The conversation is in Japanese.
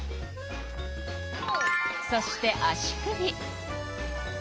そして足首。